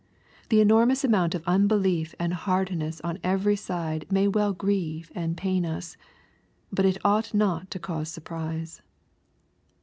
The enormous amount of unbelief and hardness on every side may well grieve and pain us. But it ought not to cause surprise.